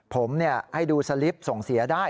ผมให้ดูสลิปส่งเสียได้